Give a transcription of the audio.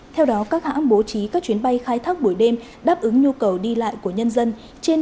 theo đó các hãng bố trí các chuyến bay khai thác buổi đêm đáp ứng nhu cầu đi lại của nhân dân trên